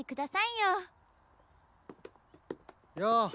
よう。